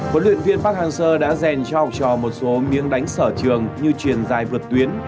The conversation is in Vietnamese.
huấn luyện viên park hang seo đã rèn cho học trò một số miếng đánh sở trường như truyền dài vượt tuyến